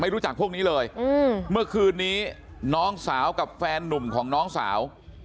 รู้จักพวกนี้เลยเมื่อคืนนี้น้องสาวกับแฟนนุ่มของน้องสาว